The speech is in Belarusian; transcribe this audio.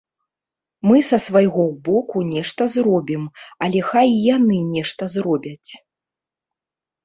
Мы са свайго боку нешта зробім, але, хай і яны нешта зробяць.